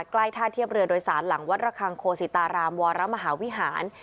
ใกล้ท่าเทียบเรือโดยสารหลังวัดระคังโคศิตารามวรมหาวิหาร